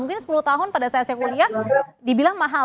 mungkin sepuluh tahun pada saat saya kuliah dibilang mahal